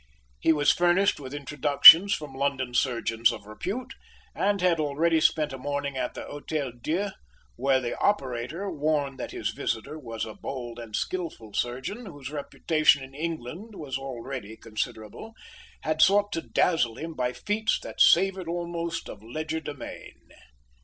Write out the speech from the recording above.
He was furnished with introductions from London surgeons of repute, and had already spent a morning at the Hôtel Dieu, where the operator, warned that his visitor was a bold and skilful surgeon, whose reputation in England was already considerable, had sought to dazzle him by feats that savoured almost of legerdemain.